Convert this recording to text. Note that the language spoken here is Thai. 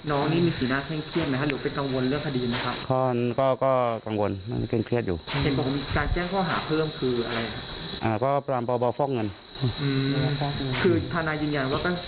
น้องนี้มีขีดหน้าเคร่งเครียดไหมครับหรือกลังจัดไปเรียนอย่างเรื่องสิ่งข้าดดีขึ้นอีกครั้ง